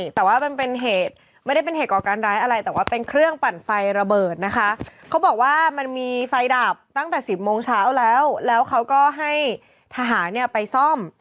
พวกนี้มีละเปิดที่กระทรวงกระโหม